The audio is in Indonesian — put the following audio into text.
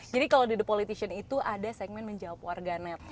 jadi kalau di the politician itu ada segmen menjawab warganet